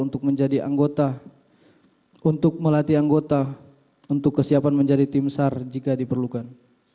untuk menjadi anggota untuk melatih anggota untuk kesiapan menjadi tim sar jika diperlukan